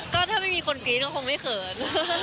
ก็ถ้าไม่มีคนกรี๊ดก็คงไม่เขิน